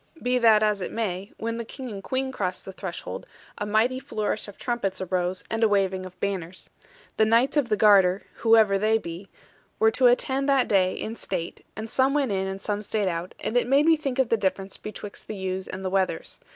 Be that as it may, when the King and Queen crossed the threshold, a mighty flourish of trumpets arose, and a waving of banners. The Knights of the Garter (whoever they be) were to attend that day in state; and some went in, and some stayed out, and it made me think of the difference betwixt the ewes and the wethers.